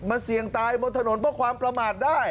เสี่ยงตายบนถนนเพื่อความประมาทได้